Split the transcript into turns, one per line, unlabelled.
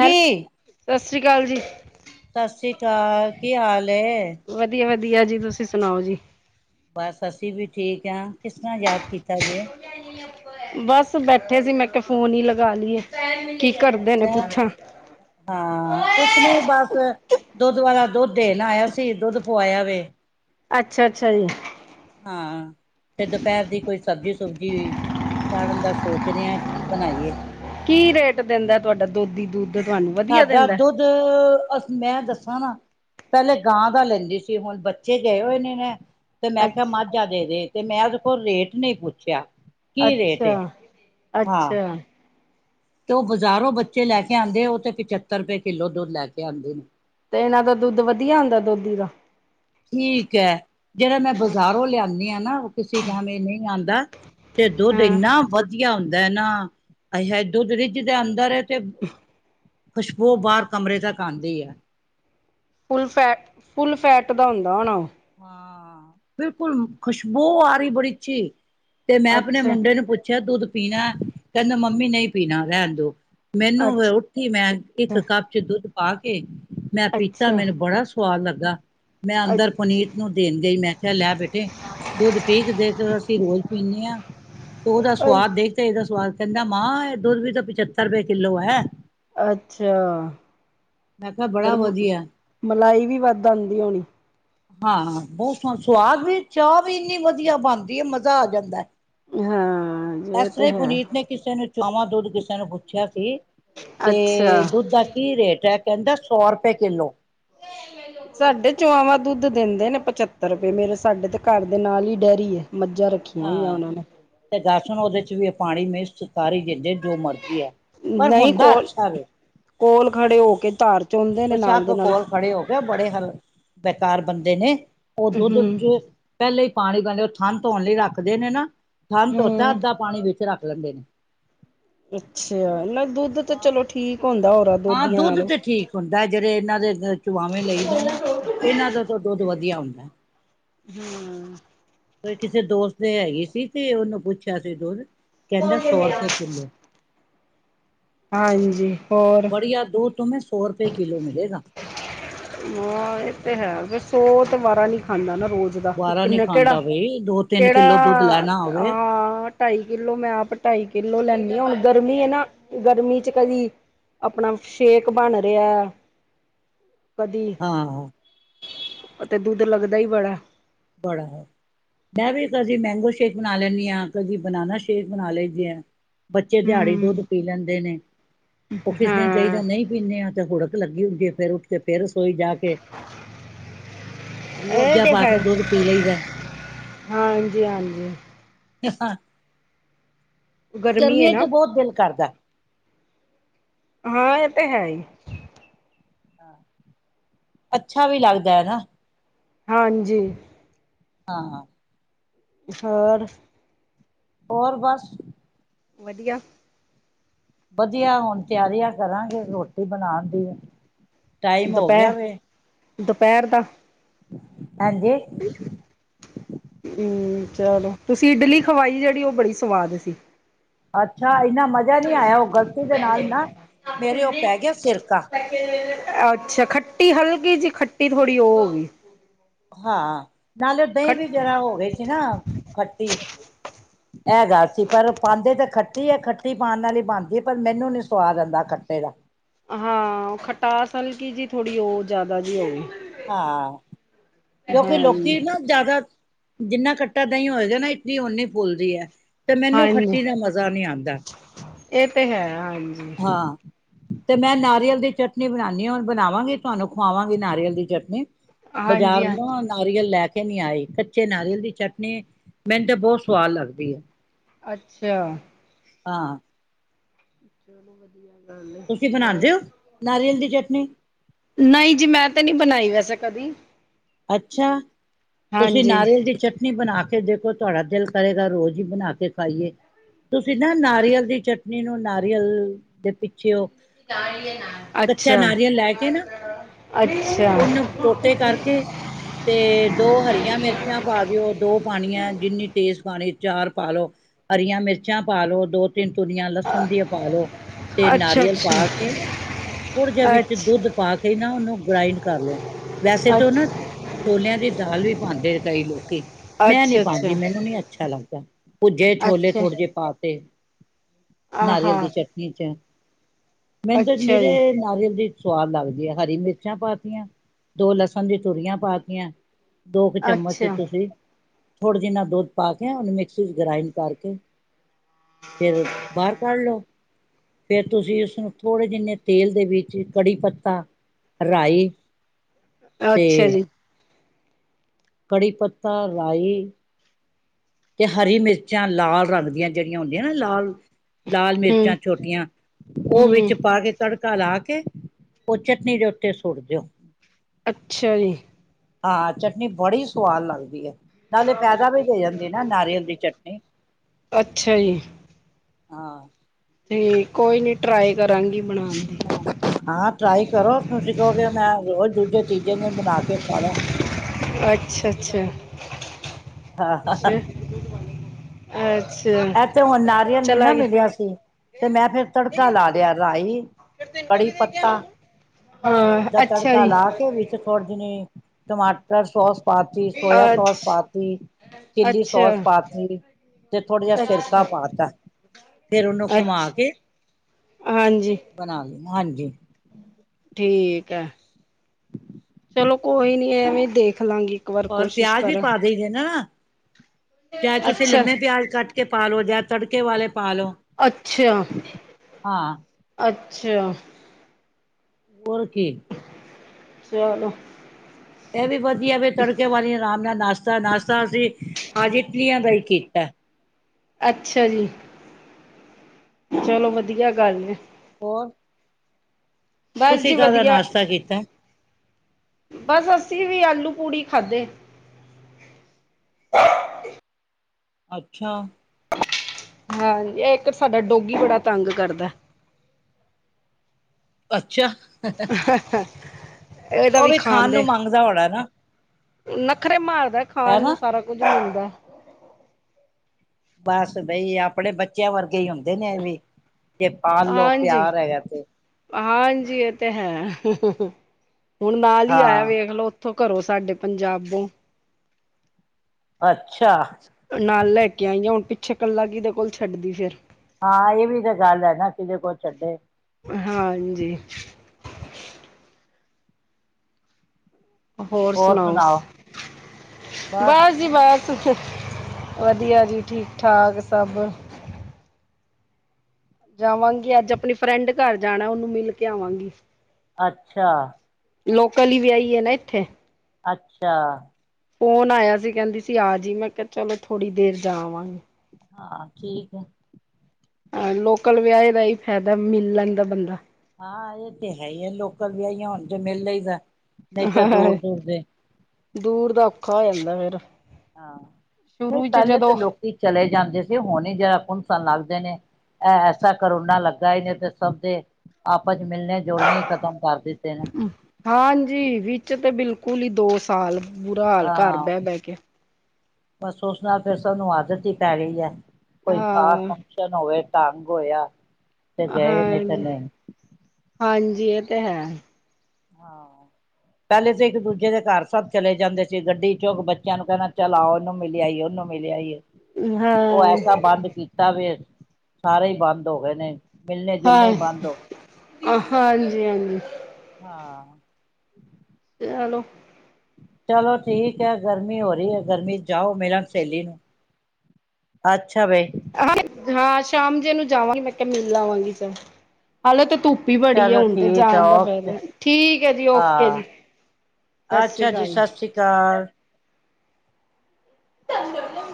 ਹੈਲ ਸਤਿ ਸ਼੍ਰੀ ਅਕਾਲ, ਜੀ
ਸਤਿ ਸ਼੍ਰੀ ਅਕਾਲ, ਕੀ ਹਾਲ
ਵਧੀਆ, ਵਧੀਆ ਜੀ ਤੁਸੀਂ ਸੁਣਾਓ ਜੀ
ਬਸ ਅਸੀਂ ਵੀ ਠੀਕ ਆ ਕਿਸ ਤਰ੍ਹਾਂ ਯਾਦ ਕੀਤਾ ਜੇ
ਬਸ ਬੈਠੇ ਸੀ ਮੈਂ ਕੇਆ ਫੋਨ ਈ ਲਗਾ ਲਈਏ ਕੀ ਕਰਦੇ ਨੇ
ਅੱਛਾ,
ਪੁੱਛਾਂ
ਹਾਂ ਕੁਛ ਨਈ ਬਸ ਦੁੱਧ ਵਾਲਾ ਦੁੱਧ ਦੇਣ ਆਇਆ ਸੀ ਦੁੱਧ ਪੁਆਇਆ ਵੇ
ਅੱਛਾ, ਅੱਛਾ ਜੀ
ਹਾਂ ਤੇ ਦੋਪਹਰ ਦੀ ਕੋਈ ਸਬਜ਼ੀ ਸੁਬਜੀ ਚਾੜਨ ਦਾ ਸੋਚਰੇ ਆ ਕੀ ਬਣਾਈਏ
ਕੀ ਰੇਟ ਦੇੰਦਾ ਤੁਹਾਡਾ ਦੋੱਧੀ ਦੁੱਧ ਤੁਹਾਨੂੰ ਵਧੀਆ
ਸਾਡਾ
ਦਿੰਦਾ
ਦੁੱਧ ਅ ਮੈਂ ਦੱਸਾਂ ਨਾ ਪੇਹਲੇ ਗਾਂ ਦਾ ਲੈਂਦੀ ਸੀ ਹੁਣ ਬੱਚੇ ਗਏ ਹੋਏ ਨੇ ਤੇ ਮੈਂ ਕਿਹਾ
ਅੱਛਾ
ਮਾਝਾ ਦੇ ਦੇ, ਤੇ ਮੈਂ ਕੋਲ ਰੇਟ ਨਹੀਂ ਪੁੱਛਿਆ। ਕੀ ਰੇਟ
ਅੱਛਾ,
ਏ? ਹਾਂ
ਅੱਛਾ,
ਤੇ ਉਹ, ਬਾਜ਼ਾਰੋਂ ਬੱਚੇ ਲੈ ਕੇ ਆਉਂਦੇ। ਉਹ ਤੇ ਪਚੱਤਰ ਰੁਪਏ, ਕਿੱਲੋ ਦੁੱਧ ਲੈ ਕੇ ਆਉਂਦੇ ਨੇ।
ਤੇ ਇਹਨਾਂ, ਦਾ ਦੁੱਧ ਵਧੀਆ, ਹੁੰਦਾ ਦੁੱਧੀ ਦਾ।
ਠੀਕ ਹੈ, ਜਿਹੜਾ ਮੈਂ ਬਾਜ਼ਾਰੋਂ ਲਿਆਉਦੀ ਹਾਂ ਨਾ। ਉਹ ਕਿਸੇ ਟਾਈਮ, ਇਹ ਨਹੀਂ ਆਉਂਦਾ। ਤੇ ਦੁੱਧ
ਹਾਂ
ਇਨਾ ਵਧੀਆ। ਹੁੰਦਾ ਹੈਨਾ, ਅਆਹ ਦੁੱਧ ਵਿੱਚ ਦੇ ਅੰਦਰ, ਤੇ ਖੁਸ਼ਬੂ ਬਾਹਰ ਕਮਰੇ ਤੱਕ, ਆਉਂਦੀ ਆ।
ਫੁੱਲ ਫੈਟ, ਫੁੱਲ ਫੈਟ ਦਾ ਹੁੰਦਾ ਹੋਣਾ। ਉਹ
ਹਾਂ, ਬਿਲਕੁਲ ਖੁਸ਼ਬੂ ਆ ਰਹੀ ਬੜੀ, ਅੱਛੀ ਤੇ ਮੈਂ ਆਪਣੇ
ਅੱਛਾ
ਮੁੰਡੇ ਨੂੰ ਪੁੱਛਿਆ, ਤੂੰਧ ਪੀਣਾ ਕਹਿੰਦਾ ਮੰਮੀ ਨਹੀਂ ਪੀਣਾ ਰਹਿਣ ਦੋ। ਮੈਨੂੰ
ਅੱਛਾ
ਉੱਠੀ, ਮੈਂ ਇੱਕ ਕੱਪ ਵਿੱਚ ਦੁੱਧ ਪਾ ਕੇ, ਮੈਂ ਪੀਤਾ
ਅੱਛਾ
ਮੈਨੂੰ ਬੜਾ ਸੁ ਸਵਾਦ ਲੱਗਾ, ਮੈਂ ਅੰਦਰ ਤ ਨੂੰ ਦੇਣਗੇਈ, ਮੈਂ ਕਿਹਾਿਆ ਲੈ ਬੇਟੇ ਦੁੱਧ ਪੀ ਕੇ ਦੇ, ਅਸੀਂ ਰੋਜ਼ ਪੀਂਦੇ ਹਾਂ। ਤੇ, ਉਹਦਾ ਸਵਾਦ
ਅੱਛਾ
ਦੇਖਦੇ, ਇਹਦਾ ਸਵਾਦ ਕਹਿੰਦਾ, ਮਾਂ ਇਹ ਦੁੱਧ ਵੀ ਤਾਂ, ਪਚੱਤਰ ਰੁਪਏ ਕਿੱਲੋ ਹੈ।
ਅੱਛਾ,
ਮੈਂ ਕਿਹਾ
ਫਿਰ
ਬੜਾ ਵਧੀਆ
ਮਲਾਈ ਵੀ ਵੱਧ ਆਉਂਦੀ ਹੋਣੀ।
ਹਾਂ, ਬਹੁਤ ਸਵਾਦ ਵੀ ਚਾਹ ਵੀ ਇੰਨੀ ਵਧੀਆ ਬਣਦੀ ਹੈ। ਮਜ਼ਾ ਆ ਜਾਂਦਾ।
ਹਾਂ, ਜੇ
ਇਸ
ਤੇ
ਲਈ
ਹੈ
ਪੁਨੀਤ ਨੇ, ਕਿਸੇ ਨੂੰ ਚੌਵਾਂ ਦੁੱਧ, ਕਿਸ਼ੇ ਨੂੰ ਪੁੱਛਿਆ ਸੀ। ਤੇ
ਅੱਛਾ
ਦੁੱਧ ਦਾ ਕੀ ਰੇਟ ਹੈ, ਕਹਿੰਦਾ। ਸੌ ਰੁਪਏ ਕਿੱਲੋ
ਮ ਸਾਡੇ ਚੁਆਵਾਂ ਦੁੱਧ ਦਿੰਦੇ ਨੇ ਪਚੱਤਰ ਰੁਪਏ, ਮੇਰੇ ਸਾਡੇ ਤੇ ਘਰ ਦੇ ਨਾਲ ਹੀ ਡੈਅਰੀ ਏ, ਮੱਝਾਂ ਰ
ਹਾਂ, ਤੇ ਦਸ ਹੁਣ, ਉਹਦੇ ਵਿਚ ਵੀ ਪਾਣੀ ਮਿਕਸ ਕਰ ਦਿੰਦੇ। ਜੋ ਮਰਜ਼ੀ ਐ, ਪਰ
ਨਹੀਂ
ਹੁੰਦਾ
ਕੋਲ
ਅੱਛਾ ਵੇ।
ਕੋਲ ਖੜੇ ਹੋਕੇ ਧਾਰ ਚੋਂਦੇ ਨੇ ਨਾਲ
ਬਸ਼ਾੱਕ
ਦੇ ਨਾਲ
ਕੋਲ ਖੜੇ ਹੋਕੇ ਬੜੇ ਹ--ਬੇਕਾਰ ਬੰਦੇ ਨੇ, ਉਹ ਦੁੱਧ
ਹਮ
ਵਿੱਚ ਪਹਿਲੇ ਈ ਪਾਣੀ ਪਾੰਦੇ, ਉਹ ਥਣ ਧੋਣ ਲਈ ਰੱਖਦੇ ਨੇ ਨਾ, ਥਣ ਧੋਤਾ
ਹਮ
ਅੱਧਾ ਪਾਣੀ ਵਿੱਚ ਰੱਖ ਲੈਂਦੇ ਨੇ।
ਅੱਛਾ। ਨਾ ਦੁੱਧ ਤਾ
ਹਾਂ
ਚਲੋ ਠੀਕ ਹੁੰਦਾ, ਹੋਰਾ
ਹਾਂ
ਦੋਧੀਆਂ
ਦੁੱਧ
ਨਾਲੋਂ
ਤੇ ਠੀਕ ਹੁੰਦਾ, ਜਿਹੜੇ ਇਹਨਾਂ ਦੇ ਚੁਆਵੇ ਲਈਦੇ ਨਾ, ਇਹਨਾਂ ਦਾ ਦੁੱਧ ਵਧੀਆ ਹੁੰਦਾ ਹੈ।
ਹੂੰ
ਕਿਸੇ ਦੋਸਤ ਦੇ ਹੈਗੀ ਸੀ, ਤੇ ਉਹਨੂੰ ਪੁੱਛਿਆ ਸੀ ਦੁੱਧ ਕਹਿੰਦਾ ਸੌ ਰੁਪਏ ਕਿੱਲੋ।
ਹਾਂਜੀ। ਹੋਰ
ਬੜੀਆ ਦੂਧ ਤੁੁਮੇ ਸੌ ਰੁਪਏ ਕਿਲੋ ਮਿਲੇਗਾ।
ਹਾਂ, ਇਹ ਤੇ ਹੈ, ਸੌ ਤਾ ਵਾਰਾ ਨੀ ਖਾਂਦਾ ਨਾ, ਰੋਜ਼।
ਬਾਰਾ ਨੀ
ਕਿੰਨਾ, ਕਿਹੜਾ,
ਖਾਂਦਾ ਬਈ ਦੋ ਤਿੰਨ ਕਿੱਲੋ ਦੁੱਧ
ਕਿਹੜਾ
ਲੈਣਾ ਹੋਵੇ
ਅਹ ਢਾਈ-ਕਿੱਲੋ ਮੈਂ ਆਪ, ਢਾਈ-ਕਿੱਲੋ ਲੈਂਨੀ ਹਾਂ, ਹੁਣ ਗਰਮੀ ਏ ਨਾ ਗਰਮੀ'ਚ ਕਦੀ ਆਪਣਾ ਸ਼ੇਕ ਬਣ ਰਿਹਾ। ਕਦੀ,
ਹਾਂ
ਓ ਤੇ ਦੁੱਧ ਲੱਗਦਾ ਹੀ ਬੜਾ।
ਬੜਾ। ਮੈਂ ਵੀ ਕਦੀ ਮੈਂਗੋ-ਸ਼ੇਕ ਬਣਾ ਲੈਂਨੀ ਆਂ, ਕਦੀ ਬਨਾਨਾ-ਸ਼ੇਕ ਬਣਾ ਲੈਂਨੀ ਆ। ਬੱਚੇ, ਦਿਹਾੜੀ
ਹਮ
ਦੁੱਧ ਪੀ ਲੈਂਦੇ ਨੇ। ਉਹ ਕਿਸੇ ਦਿਨ, ਕਈ
ਹਾਂ
ਦਿਨ ਨਹੀਂ ਪੀਂਦੇ ਆ, ਤੇ ਹੁੜਕ ਲੱਗੀ ਹੁੰਦੀ ਫੇਰ, ਉੱਠਕੇ ਫਿਰ ਰਸੋਈ ਜਾਕੇ
ਇਹ, ਤੇ
ਪਾ
ਹੈ।
ਕੇ ਦੁੱਧ ਪੀ ਲਈਦਾ
ਹਾਂਜੀ-ਹਾਂਜੀ। ਗਰਮੀ ਹੈ
ਗਰਮੀਆਂ'ਚ
ਨਾ
ਤੇ ਬਹੁਤ ਦਿਲ ਕਰਦਾ।
ਹਾਂ, ਇਹ ਤਾ ਹੈਹੀ।
ਅੱਛਾ ਵੀ ਲੱਗਦਾ, ਹੈਨਾ।
ਹਾਂਜੀ।
ਹਾਂ-ਹਾਂ।
ਹੋਰ?
ਹੋਰ ਬਸ
ਵਧੀਆ।
ਵਧੀਆ ਹੁਣ ਤਿਆਰੀਆਂ ਕਰਾਂਗੇ, ਰ੍ਹੋਟੀ ਬਣਾਣ ਦੀ। ਟਾਇਮ
ਦੁਪਹਿਰ
ਹੋਗਿਆ ਵੇ?
ਦੁਪਹਿਰ
ਹਾਂਜੀ?
ਹੂੰ, ਚਲੋ ਤੁਸੀਂ ਇਡਲੀ ਖਵਾਈ ਜਿਹੜੀ ਉਹ ਬੜੀ ਸਵਾਦ ਸੀ।
ਅੱਛਾ, ਇੰਨਾ ਮਜ਼ਾ ਨਹੀਂ ਆਇਆ ਉਹ ਗ਼ਲਤੀ ਦੇ ਨਾਲ ਨਾ, ਮੇਰੇ ਓਹ ਪੈਗਿਆ ਸਿਰਕਾ।
ਅੱਛਾ, ਖੱਟੀ, ਹਲਕੀ ਜੀ ਖੱਟੀ, ਥੋੜੀ ਓਹ ਹੋ ਗਈ।
ਹਾਂ, ਨਾਲੇ ਦਹੀਂ
ਖਟ
ਵੀ ਜਰਾ ਹੋਗੀ ਸੀ ਨਾ, ਖੱਟੀ‌।
[inaudible]
ਐ ਗੱਲ ਸੀ, ਪਰ ਪਾਂਦੇ ਤਾਂ ਖੱਟੀ ਹੈ, ਖੱਟੀ ਪਾਣ ਨਾਲ ਹੀ ਬਣਦੀ ਏ, ਪਰ ਮੈਨੂੰ ਨੀ ਸਵਾਦ ਆਉਂਦਾ ਖੱਟੇ ਦਾ।
ਹਾਂ, ਖੱਟਾਸ ਹਲਕੀ ਜੀ ਥੋੜੀ, ਉਹ ਜਿਆਦਾ ਜੀ ਹੋਗੀ।
ਹਾਂ। ਕਿਉਂਕਿ ਲੋਕੀ ਨਾ ਜ਼ਿਆਦਾ, ਜਿੰਨਾ ਖੱਟਾ ਦਹੀਂ ਹੋਇਗਾ ਨਾ, ਇਡਲੀ ਓਨੀ ਫੁਲਦੀ ਹੈ। ਤੇ ਮੈਨੂੰ
ਹਾਂਜੀ
ਖੱਟੀ ਦਾ ਮਜ਼ਾ ਨਹੀਂ ਆਂਦਾ,
ਇਹ ਤੇ ਹੈ ਹਾਂਜੀ
ਹਾਂ। ਤੇ ਮੈਂ ਨਾਰੀਅਲ ਦੀ ਚਟਨੀ ਬਣਾਂਨੀ ਆਂ, ਹੁਣ ਬਣਾਵਾਂਗੀ ਤੁਹਾਨੂੰ ਖਵਾਵਾਂਗੀ ਨਾਰੀਅਲ ਦੀ ਚਟਨੀ। ਬਜ਼ਾਰ
ਹਾਂਜੀ ਹਾਂਜੀ
ਨਾਰੀਅਲ ਲੈਕੇ ਨਹੀਂ ਆਈ, ਕੱਚੇ ਨਾਰੀਅਲ ਦੀ ਚਟਨੀ ਮੈਨੂੰ ਤਾਂ ਬਹੁਤ ਸਵਾਦ ਲੱਗਦੀ ਹੈ।
ਅੱਛਾ।
ਹਾਂ।
ਚਲੋ ਵਧੀਆ ਗੱਲ।
ਤੁਸੀਂ
ਹੋਰ
ਬਣਾਉਂਦੇ ਹੋ ਨਾਰੀਅਲ ਦੀ ਚਟਨੀ?
ਨਹੀਂ ਜੀ ਮੈਂ ਤੇ ਨਹੀਂ ਬਣਾਈ ਵੈਸੇ ਕਦੀ।
ਅੱਛਾ ਤੁਸੀਂ
ਹਾਂਜੀ
ਨਾਰੀਅਲ ਦੀ ਚਟਨੀ ਆਪਣੀ ਬਣਾ ਕੇ ਦੇਖੋ ਤੁਹਾਡਾ ਦਿਲ ਕਰੇਗਾ ਰੋਜ਼ ਹੀ ਬਣਾ ਕੇ ਖਾਈਏ। ਤੁਸੀਂ ਨਾ ਨਾਰੀਅਲ ਦੀ ਚਟਨੀ ਨੂੰ ਨਾਰੀਅਲ ਦੇ ਪਿੱਛੇਓ ਕੱਚਾ
ਅੱਛਾ
ਨਾਰੀਅਲ ਲੈ ਕੇ ਨਾ
ਅੱਛਾ
ਉਹਨੂੰ ਟੋਟੇ ਕਰਕੇ ਤੇ ਦੋ ਹਰੀਆਂ ਮਿਰਚਾਂ ਪਾ ਦਿਓ ਦੋ ਪਾਣੀਆਂ ਜਿੰਨੀ ਤੇਜ ਪਾਉਣੀ ਚਾਰ ਪਾ ਲਓ। ਹਰੀਆਂ ਮਿਰਚਾਂ ਪਾਲੋ ਦੋ ਤਿੰਨ ਤੁਰੀੀਆਂ ਲਸਣ ਦੀਆਂ ਪਾ ਲੋ, ਤੇ
ਅੱਛਾ ਅੱਛਾ
ਨਾਰੀਅਲ ਪਾ ਕੇ ਥੋੜ੍ਹਾ ਜਿਹਾ ਵਿੱਚ ਦੁੱਧ ਪਾ ਕੇ ਨਾ, ਉਹਨੂੰ ਗ੍ਰਾਇੰਡ ਕਰ ਲਓ। ਵੈਸੇ ਤਾਂ ਨਾ ਛੋਲਿਆਂ ਦੀ ਦਾਲ ਵੀ ਪਾਉਂਦੇ ਕਈ ਲੋਕੀ,
ਅੱਛਾ ਅੱਛਾ
ਮੈਂ ਨੀ
ਅੱਛਾ
ਪਾਉਂਦੀ, ਮੈਨੂੰ ਨੀ ਅੱਛਾ ਲੱਗਦਾ। ਭੁੱਜੇ
ਅੱਛਾ
ਛੋਲੇ
ਅੱਛਾ
ਥੋੜੇ ਜਿਹੇ ਪਾ ਤੇ,
ਆਹਾ
ਨਾਰੀਅਲ ਦੀ ਚਟ ਨੀਚਾ ਮੈਨੂੰ ਤਾਂ
ਅੱਛਾ
ਨਿਰੇ
ਜੀ
ਨਾਰੀਅਲ ਦੀ ਸਵਾਦ ਲੱਗਦੀ ਹੈ! ਹਰੀ ਮਿਰਚਾਂ ਪਾਤੀਆਂ, ਦੋ ਲਸਣ ਦੀ ਤੂਰੀਆਂ ਪਾਤੀਆਂ। ਦੋ ਕੁ ਚਮਚ
ਅੱਛਾ
ਤੁਸੀਂ ਥੋੜ੍ਹਾ ਜਿਨਾ ਦੁੱਧ ਪਾ ਕੇ, ਉਹਨੂੰ ਮਿਕਸੀ ਚ ਗ੍ਰਾਇੰਡ ਕਰਕੇ ਫਿਰ ਬਾਹਰ ਕਢ ਲਓ। ਫੇਿਰ ਤੁਸੀਂ ਉਸਨੂੰ ਥੋੜ੍ਹੇ ਜਿਨੇ ਤੇਲ ਦੇ ਵਿੱਚ, ਕੜੀ ਪੱਤਾ ਰਾਈ ਤੇ
ਅੱਛਾ ਜੀ।
ਕੜੀ ਪੱਤਾ, ਰਾਈ ਤੇ ਹਰੀ ਮਿਰਚਾਂ ਲਾਲ ਰੰਗ ਦੀਆਂ ਜਿਹੜੀਆਂ ਹੁੰਦੀਆਂ ਨਾ ਲਾਲ ਲਾਲ ਮਿਰਚਾਂ
ਹੂੰ
ਛੋਟੀਆਂ ਉਹ
ਹੂੰ
ਵਿੱਚ ਪਾ ਕੇ ਤੜਕਾ ਲਾ ਕੇ ਉਹ ਚਟਨੀ ਦੇ ਉੱਤੇ ਸੁੱਟ ਦਿਓ।
ਅੱਛਾ ਜੀ।
ਹਾਂ ਚਟਨੀ ਬੜੀ ਸਵਾਦ ਲੱਗਦੀ ਹੈ ਨਾਲੇ ਫਾਇਦਾ ਵੀ ਦੇ ਜਾਂਦਾ। ਨਾ ਨਾਰੀਅਲ ਦੀ ਚਟਨੀ,
ਅੱਛਾ
ਹਾਂ।
ਠੀਕ ਕੋਈ ਨੀ ਟਰਾਈ ਕਰਾਂਗੀ ਬਣਾਉਣ ਦੀ।
ਹਾਂ ਟਰਾਈ ਕਰੋ ਤੁਸੀਂ ਕਹੋਗੇ ਮੈਂ ਰੋਜ਼ ਦੂਜੇ ਤੀਜੇ ਦਿਨ ਬਣਾ ਕੇ ਖਾਂਵਾਗੀ।
ਅੱਛਾ ਅੱਛਾ।
ਹਾਂ
ਫਿਰ ਅੱਛਾ।
ਇਥ ਹੁਣ ਨਾਰੀਅਲ ਨੀ
ਚਲਾ
ਨਾ
ਗਿਆ
ਮਿਲਿਆ ਸੀ, ਤੇ ਮੈਂ ਫੇਿਰ ਤੜਕਾ ਲਾ ਲਿਆ ਰਾਈ ਕੜੀ ਪੱਤਾ
ਹਾਂ
ਦਾ
ਅੱਛਾ
ਤੜਕਾ
ਜੀ
ਲਾ ਕੇ, ਵਿੱਚ ਥੋੜੇ ਜਿਨੀ ਟਮਾਟਰ ਸੋਸ ਪਾ ਤੀ, ਸੋਇਆ
ਅੱਛ
ਸੋਸ ਪਾ ਤੀ, ਚਲੀ
ਅੱਛਾ
ਸੋਸ ਪਾ ਤੀ। ਥੋੜ੍ਹਾ ਜਿਹਾ
ਅੱਛਾ
ਸਿਰਕਾ ਪਾਤਾ, ਫਿਰ ਉਹਨੂੰ ਘੁਮਾ
ਅੱਛਾ
ਕੇ
ਹਾਂਜੀ
ਬਣਾ ਲ, ਹਾਂਜੀ!
ਠੀਕ ਹੈ, ਚਲੋ ਕੋਈ ਨੀ, ਐਵੇਂ ਦੇਖ ਲਾਂਗੀ। ਵਾਰ
ਔਰ
ਕੋਸ਼ਿਸ਼
ਪਿਆਜ ਵੀ
ਕਰਾਂ
ਪਾ ਦੇਈਦੇ ਨਾ, ਚਾਹੇ ਤੁਸੀਂ
ਅੱਛਾ
ਲੰਮੇ ਪਿਆਜ ਕੱਟ ਕੇ ਪਾਲੋ, ਜਾਂ ਤੜਕੇ ਵਾਲੇ ਪਾਲੋ।
ਅੱਛਾ, ਅੱਛਾ!
ਹੋਰ ਕੀ।
ਚਲੋ
ਇਹ ਵੀ ਵਧੀਆ, ਵੀ ਤੜਕੇ ਵਾਲੀ! ਆਰਾਮ ਨਾਲ ਨਾਸ਼ਤਾ, ਨਾਸ਼ਤਾ ਅਸੀਂ ਅਜ ਇਟਲੀਆਂ ਦਾ ਹੀ ਕੀਤਾ।
ਅੱਛਾ ਜੀ, ਚਲੋ
ਹਾਂ
ਵਧੀਆ ਗੱਲ ਹੈ!
ਹੋਰ
ਬਸ
ਤੁਸੀਂ
ਜੀ
ਕਾਹ ਦਾ
ਵਧੀਆ
ਨਾਸ਼ਤਾ ਕੀਤਾ?
ਬਸ, ਅਸੀਂ ਵੀ ਆਲੂ-ਪੂੜੀ ਖਾਧੇ।
ਅੱਛਾ।
ਹਾਂ, ਏ ਇੱਕ ਸਾਡਾ ਡੋਗੀ ਬੜਾ ਤੰਗ ਕਰਦਾ।
ਅੱਛਾ, ਉਹ ਵੀ ਖਾਣ ਨੂੰ ਮੰਗਦਾ ਹੋਣਾ ਨਾ?
ਨਖਰੇ ਮਾਰਦਾ, ਖਾਣ ਨੂੰ
ਹੈਨਾ
ਸਾਰਾ ਕੁੱਝ ਮਿਲਦਾ।
ਬਸ ਬਈ, ਆਪਣੇ ਬੱਚਿਆਂ ਵਰਗੇ ਹੀ ਹੁੰਦੇ ਨੇ, ਐ ਵੀ। ਜੇ ਪਾਲ ਲੋ,
ਹਾਂਜੀ
ਪਿਆਰ ਹੈਗਾ ਤੇ!
ਹਾਂਜੀ, ਇਹ ਤੇ ਹੈ! ਹੁਣ ਨਾਲ ਹੀ ਆਇਆ,
ਹਾਂ
ਵੇਖ ਲੋ। ਉੱਥੋਂ ਘਰੋ, ਸਾਡੇ ਪੰਜਾਬੋ!
ਅੱਛਾ।
ਨਾਲ ਲੈ ਕੇ ਆਈਆਂ, ਹੁਣ ਪਿੱਛੇ ਕੱਲਾ ਕਿਦੇ ਕੋਲ ਛੱਡਦੀ ਫਿਰ?
ਹਾਂ ਇਹ ਵੀ ਤਾਂ ਗੱਲ ਹੈ ਨਾ, ਕਿਦੇ ਕੋਲ ਛੱਡੇ
ਹਾਂਜੀ ਹੋਰ ਸੁਣਾਓ, ਬਸ ਜੀ ਬਸ ਵਧੀਆ ਜੀ, ਠੀਕ ਠਾਕ ਸਭ ਜਾਵਾਂਗੀ, ਅੱਜ ਆਪਣੀ ਫਰੈਂਡ ਘਰ ਜਾਣਾ, ਉਹਨੂੰ ਮਿਲ ਕੇ ਆਵਾਂਗੀ
ਅੱਛਾ
ਲੋਕਲ ਹੀ ਵਿਆਈ, ਏ ਨਾ ਇੱਥੇ
ਅੱਛਾ
ਫੋਨ ਆਇਆ ਸੀ, ਕਹਿੰਦੀ ਸੀ ਆ ਜਈ, ਮੈਂ ਕਿਹਾ ਚਲੋ ਥੋੜ੍ਹੀ ਦੇਰ ਜਾਵਾਂਗੀ
ਹਾਂ, ਠੀਕ ਹੈ
ਹਾਂ ਲੋਕਲ ਵਿਆਹੇ ਦਾ ਹੀ ਫਾਇਦਾ, ਮਿਲ ਲੈਂਦਾ ਬੰਦਾ
ਹਾਂ, ਇਹ ਤੇ ਹੈ ਹੀ ਆ, ਲੋਕਲ ਵਿਆਹੀਆਂ ਹੋਣ ਜੇ ਮਿਲ ਲਈ ਦਾ। ਨਹੀਂ ਤਾਂ
ਹੈ,
ਦੂਰ ਦੂਰ ਦੇ
ਦੂਰ ਦਾ ਔਖਾ ਹੋ ਜਾਂਦਾ ਫੇਰ।
ਹਾਂ, ਨਹੀਂ
ਸ਼ੁਰੂ ਚ
ਪਹਿਲੇ ਤਾਂ
ਜਦੋਂ
ਲੋਕੀ ਚਲੇ ਜਾਂਦੇ ਸੀ, ਹੁਣ ਹੀ ਜ ਕੁੁੰਨਸਨ ਲੱਗਦੇ ਨੇ। ਇਹ ਐਸਾ ਕਰੋਨਾ ਲੱਗਾ ਹੀ ਨੇ ਤੇ, ਸਭ ਦੇ ਆਪਸ ਚ ਮਿਲਣੇ ਜੁਲਣਾ ਹੀ ਖਤਮ ਕਰ ਦਿੱਤੇ ਨੇ।
ਹਾਂਜੀ, ਵਿੱਚ ਤੇ ਬਿਲਕੁਲ ਹੀ ਦੋ ਸਾਲ, ਬੁਰਾ ਹਾਲ ਘਰ
ਹਾਂ
ਬਹਿ-ਬਹਿ ਕੇ।
ਬਸ, ਉਸ ਨਾਲ ਫਿਰ ਸਾਨੂੰ ਆਦਤ ਹੀ ਪੈ ਗਈ ਹੈ, ਕੋਈ ਖਾਸ
ਹਾਂ
ਫੰਕਸ਼ਨ ਹੋਵੇ, ਢੰਗ ਹੋਇਆ। ਤੇ ਗਏ ਨਹੀਂ ਤੇ
ਹਾਂਜੀ
ਨਹੀਂ
ਹਾਂਜੀ, ਇਹ ਤੇ ਹੈ।
ਹਾਂ ਪਹਿਲੇ ਤੇ ਇੱਕ-ਦੂਜੇ ਦੇ ਘਰ ਸਭ ਚਲੇ ਜਾਂਦੇ ਸੀ, ਗੱਡੀ ਚੁੱਕ, ਬੱਚਿਆਂ ਨੂੰ ਕਹਿਣਾ ਚੱਲ ਆਓ, ਉਹਨੂੰ ਮਿਲ ਆਈਏ, ਉਹਨੂੰ ਮਿਲ ਆ ਈ ਐ, ਉਹ
ਹਾਂ
ਐਸਾ ਬੰਦ ਕੀਤਾ ਵੀ, ਸਾਰੇ ਹੀ ਬੰਦ ਹੋ ਗਏ ਨੇ! ਮਿਲਣੇ ਜੁਲਣੇ
ਹਾਂ,
ਹੀ ਬੰਦ ਹੋ ਗਏ।
ਹਾਂਜੀ! ਹਾਂਜੀ!
ਹਾਂ
ਚਲੋ
ਚਲੋ ਠੀਕ ਹੈ, ਗਰਮੀ ਹੋ ਰਹੀ ਹੈ, ਗਰਮੀ ਜਾਓ ਮਿਲਣ ਸਹੇਲੀ ਨੂੰ ਅੱਛਾ ਬਈ
ਹਾਂ, ਸ਼ਾਮ ਜੇ ਨੂੰ ਜਾਵਾਂਗੀ ਮੈਂ ਕਿਹਾ ਮਿਲ ਲਵਾਂਗੀ ਚ, ਹਾਲੋ ਤੇ ਧੂਪ ਗਰਮੀ ਬੜੀ ਹੈ,
ਚਲੋ
ਹੁਣ ਤੇ
ਠੀਕ ਆ
ਜਾਣ ਦਾ ਫਾਇਦਾ
ਓਕੇ
ਨੀ, ਠੀਕ ਹੈ ਜੀ ਓਕੇ ਜੀ
ਹਾਂ
ਸਤਿ ਸ੍ਰੀ
ਅੱਛਾ ਜੀ,
ਅਕਾਲ
ਸਤਿ ਸ੍ਰੀ ਅਕਾਲ
ਚੰ [inaudible]